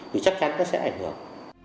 thì chắc chắn nó sẽ ảnh hưởng